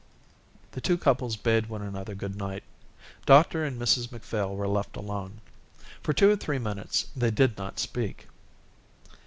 The two couples bade one another good night. Dr and Mrs Macphail were left alone. For two or three minutes they did not speak.